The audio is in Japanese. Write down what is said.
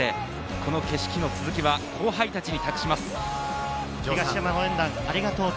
この景色の続きは後輩たちに託します。